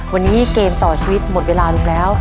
วันนี้เกมต่อชีวิตหมดเวลาลงแล้ว